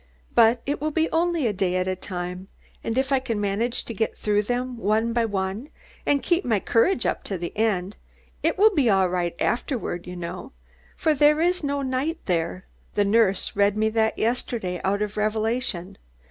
But it will be only a day at a time, and if I can manage to get through them one by one, and keep my courage up to the end, it will be all right afterward, you know, for there is no night there. The nurse read me that yesterday out of Revelation.